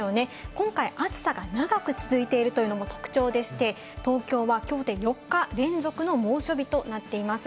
今回、暑さが長く続いているというのも特徴でして、東京はきょうで４日連続の猛暑日となっています。